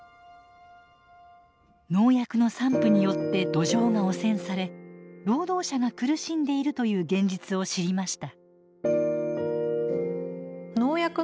農薬の散布によって土壌が汚染され労働者が苦しんでいるという現実を知りました。